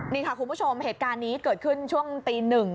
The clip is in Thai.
นี่ค่ะคุณผู้ชมเหตุการณ์นี้เกิดขึ้นช่วงตี๑